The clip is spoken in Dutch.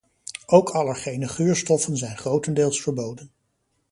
Ook allergene geurstoffen zijn grotendeels verboden.